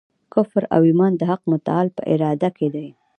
کفر او ایمان د حق متعال په اراده کي دی.